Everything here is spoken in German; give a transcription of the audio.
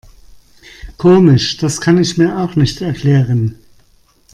Komisch, das kann ich mir auch nicht erklären.